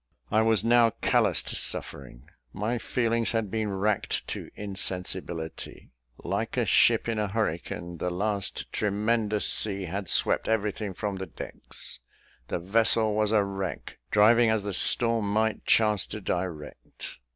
I was now callous to suffering. My feelings had been racked to insensibility. Like a ship in a hurricane, the last tremendous sea had swept everything from the decks the vessel was a wreck, driving as the storm might chance to direct.